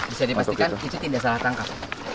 bisa dipastikan itu tidak salah tangkap